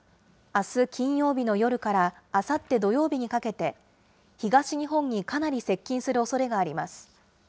あす金曜日の夜からあさって土曜日にかけて、東日本にかなり接近するおそれがあります。